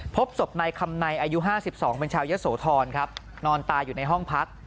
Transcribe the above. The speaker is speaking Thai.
พบศพในคำนัยอายุห้าสิบสองเป็นชาวยศโฑธรครับนอนตายอยู่ในห้องพัก